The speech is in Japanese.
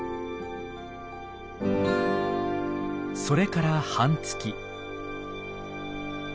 それから半月。